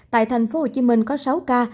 tại tp hcm có sáu ca